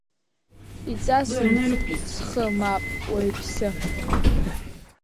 Иҵасымҵт схы мап, уаҩԥсы.